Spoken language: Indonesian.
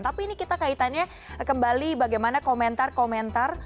tapi ini kita kaitannya kembali bagaimana komentar komentar